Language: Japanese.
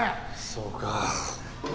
そうか。